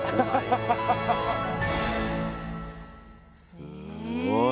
すごい。